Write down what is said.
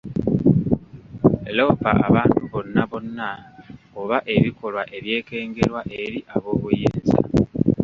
Loopa abantu bonna bonna oba ebikolwa ebyekengerwa eri aboobuyinza.